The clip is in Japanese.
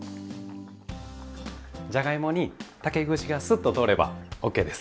じゃがいもに竹串がスッと通ればＯＫです。